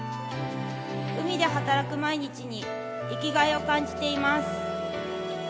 海で働く毎日に生きがいを感じています。